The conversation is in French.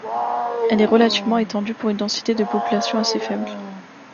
Elle est relativement étendue, pour une densité de population assez faible.